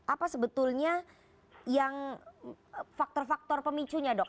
apa sebetulnya yang faktor faktor pemicunya dok